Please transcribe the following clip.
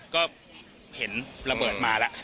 ก็เห็นระเบิดมาแล้ว